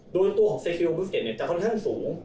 ด้วยตัวของเซคิอลบุสเก็ตเนี่ยจะค่อนข้างสูง